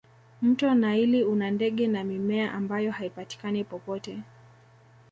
mto naili una ndege na mimea ambayo haipatikani popote